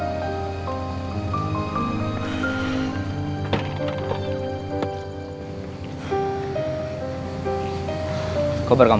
untuk wanita lain